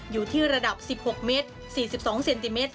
อยู่ที่ระดับ๑๖เมตร๔๒เซนติเมตร